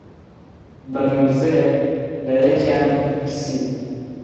بە نووزەیەک لە یەکیانم پرسی: